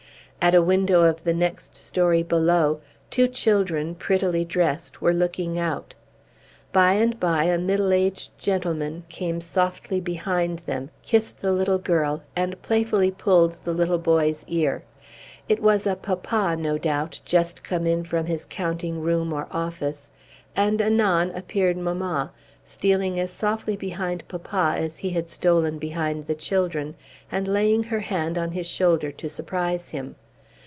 At a window of the next story below, two children, prettily dressed, were looking out. By and by a middle aged gentleman came softly behind them, kissed the little girl, and playfully pulled the little boy's ear. It was a papa, no doubt, just come in from his counting room or office; and anon appeared mamma, stealing as softly behind papa as he had stolen behind the children, and laying her hand on his shoulder to surprise him.